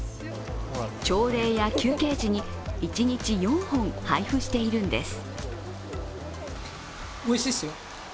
朝礼や休憩時に、一日４本配布しているんです。